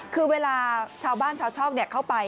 คือเวลาชาวบ้านชาวช่องเข้าไป